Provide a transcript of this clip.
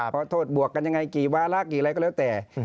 เพราะโทษบวกกันยังไงกี่วาระกี่อะไรก็แล้วแต่